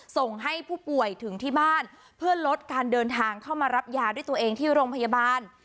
ส่งให้ผู้ป่วยถึงที่บ้านเพื่อลดการเดินทางเข้ามารับยาด้วยตัวเองที่โรงพยาบาล